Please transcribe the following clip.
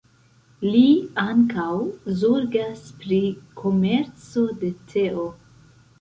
Li ankaŭ zorgas pri komerco de teo.